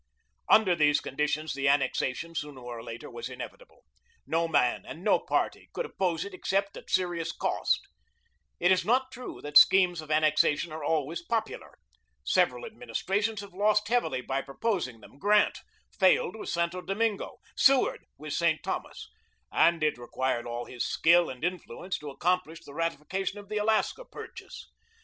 Under these conditions, the annexation, sooner or later, was inevitable. No man and no party could oppose it except at serious cost. It is not true that schemes of annexation are always popular. Several administrations have lost heavily by proposing them. Grant failed with Santo Domingo; Seward with St. Thomas; and it required all his skill and influence to accomplish the ratification of the Alaska purchase.